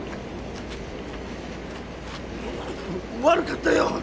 悪かったよ。